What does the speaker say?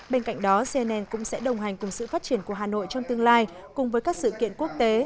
bên cạnh đó cnn cũng sẽ đồng hành cùng sự phát triển của hà nội trong tương lai cùng với các sự kiện quốc tế